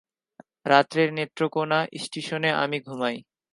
রাত্রে নেত্রকোণা ইস্টিশনে আমি ঘুমাই।